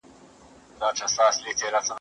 یوه شپه دي پر مزار باندي بلېږي